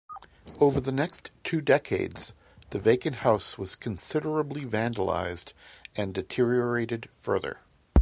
Over the next two decades, the vacant house was considerably vandalized and deteriorated further.